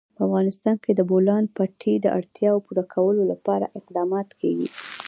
په افغانستان کې د د بولان پټي د اړتیاوو پوره کولو لپاره اقدامات کېږي.